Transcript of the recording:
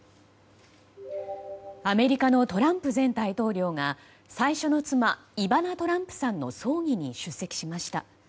アメリカのトランプ前大統領が最初の妻イバナ・トランプさんの葬儀に出席しました。